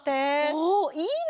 おっいいね！